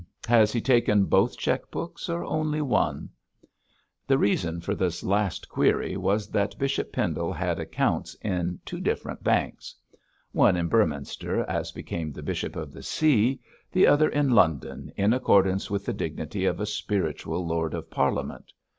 Has he taken both cheque books, or only one?' The reason of this last query was that Bishop Pendle had accounts in two different banks. One in Beorminster, as became the bishop of the See, the other in London, in accordance with the dignity of a spiritual lord of Parliament.